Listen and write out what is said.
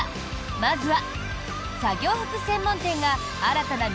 まずは。